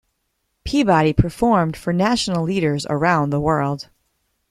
Peabody performed for national leaders around the world.